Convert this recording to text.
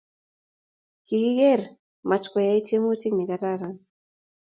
Kigigeer Mach koyae tyemutik negararan